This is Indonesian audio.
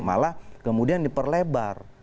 malah kemudian diperlebar